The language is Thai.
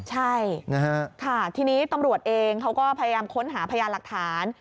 ใช่ค่ะทีนี้ตำรวจเองเขาก็พยายามค้นหาพยานหลักฐาน